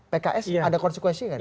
pks ada konsekuensi gak